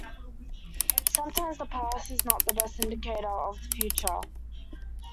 Sometimes the past is not the best indicator of the future.